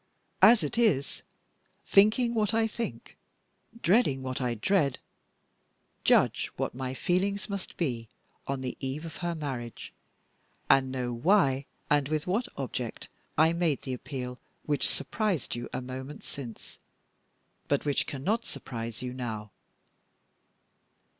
As it is, thinking what I think, dreading what I dread, judge what my feelings must be on the eve of her marriage; and know why, and with what object, I made the appeal which surprised you a moment since, but which cannot surprise you now.